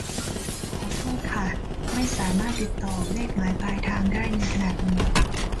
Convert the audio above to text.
ขอโทษค่ะ ไม่สามารถติดต่อเลขหมายปลายทางได้ในขนาดนี้